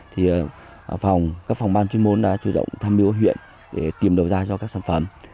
thì các phòng ban chuyên môn đã chủ động thăm biểu huyện để tìm đầu ra cho các sản phẩm